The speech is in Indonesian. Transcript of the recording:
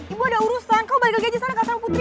ibu ada urusan kau balik lagi ke sana kak tahu putri